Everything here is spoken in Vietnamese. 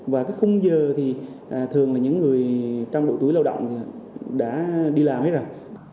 và các khung giờ thì thường là những người trong độ tuổi lao động đã đi làm hết rồi